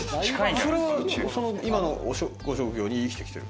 それは今のご職業に生きてきてる。